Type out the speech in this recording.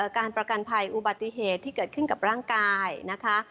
การประกันภัยอุบัติเหตุที่เกิดขึ้นกับร่างกายนะคะ